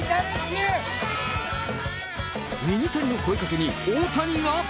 ミニタニの声かけに、大谷が。